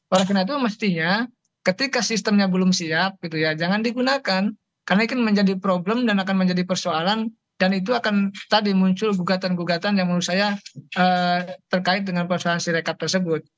oleh karena itu mestinya ketika sistemnya belum siap jangan digunakan karena ini menjadi problem dan akan menjadi persoalan dan itu akan tadi muncul gugatan gugatan yang menurut saya terkait dengan persoalan sirekap tersebut